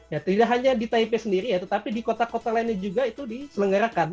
ya tidak hanya di taipei sendiri ya tetapi di kota kota lainnya juga itu diselenggarakan